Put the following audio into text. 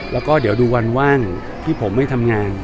แล้วก็เดี๋ยวดูวันว่างที่ผมไม่ทำงาน